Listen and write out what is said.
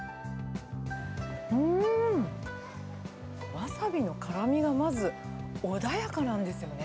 ワサビの辛みがまず穏やかなんですよね。